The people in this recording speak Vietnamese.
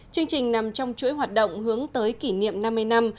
chương trình nằm trong chuỗi hoạt động hướng tới kỷ niệm năm mươi năm